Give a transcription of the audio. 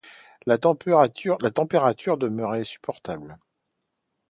La température demeurait supportable.